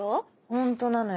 ホントなのよ